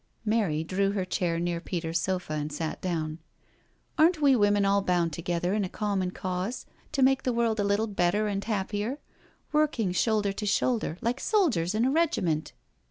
Mary drew her chair near Peter's sofa and sat down. "Aren't we women all bound together in a common cause to make the world a little better and happier— working shoulder to shoulder, like soldiers in a regiment?